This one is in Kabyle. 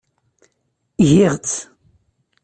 Giɣ-tt.